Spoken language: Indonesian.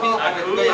bangunya itu untuk apa